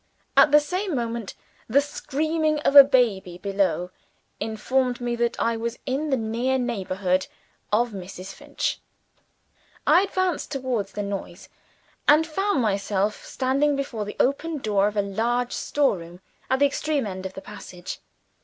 At the same moment, the screaming of a baby below, informed me that I was in the near neighborhood of Mrs. Finch. I advanced towards the noise, and found myself standing before the open door of a large store room at the extreme end of the passage.